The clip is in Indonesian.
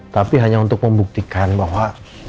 tapi hanya untuk membuktikan bahwa